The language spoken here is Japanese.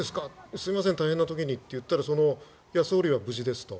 すいません大変な時にと言ったら総理は無事ですと。